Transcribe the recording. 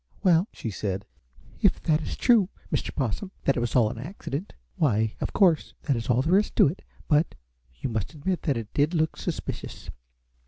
"Well," she said, "if that is true, Mr. Possum, that it was all an accident, why, of course, that is all there is to it; but you must admit that it did look suspicious."